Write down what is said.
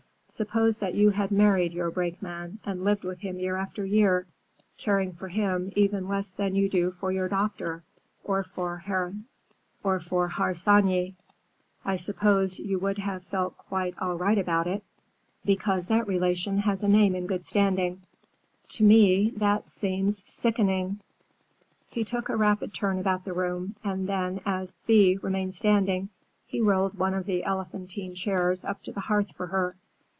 "Suppose that you had married your brakeman and lived with him year after year, caring for him even less than you do for your doctor, or for Harsanyi. I suppose you would have felt quite all right about it, because that relation has a name in good standing. To me, that seems—sickening!" He took a rapid turn about the room and then as Thea remained standing, he rolled one of the elephantine chairs up to the hearth for her.